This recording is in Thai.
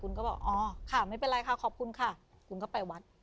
คุณก็บอกอ๋อค่ะไม่เป็นไรค่ะขอบคุณค่ะคุณก็ไปวัด